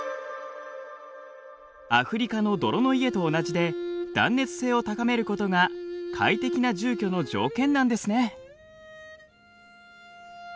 アフリカの泥の家と同じで断熱性を高めることが快適な住居の条件なんですね。